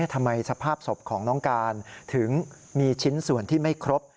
สภาพศพของน้องการถึงมีชิ้นส่วนที่ไม่ครบ